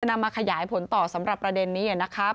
นำมาขยายผลต่อสำหรับประเด็นนี้นะครับ